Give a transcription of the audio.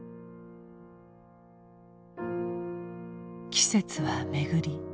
季節は巡り